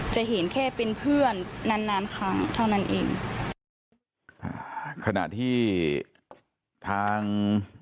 จะเห็นแค่เป็นเพื่อนนานนานนานครั้งเท่านั้นเองอ่าขณะที่ทาง